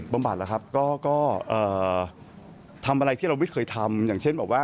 เป็นธรรมบาดอะครับก็เอ่อทำอะไรที่เราไม่เคยทำอย่างเช่น